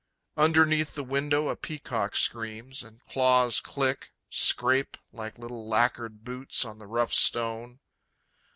Underneath the window a peacock screams, And claws click, scrape Like little lacquered boots on the rough stone.